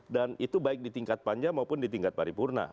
dan itu baik di tingkat panjang maupun di tingkat paripurna